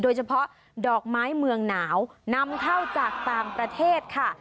โดยเฉพาะดอกไม้เมืองหนาวนำเข้าจากต่างประเทศค่ะ